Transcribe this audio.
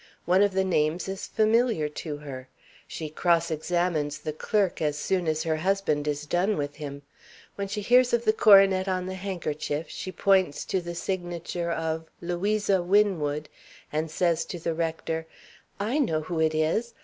One of the names is familiar to her. She cross examines the clerk as soon as her husband is done with him. When she hears of the coronet on the handkerchief she points to the signature of "Louisa Winwood," and says to the rector, "I know who it is!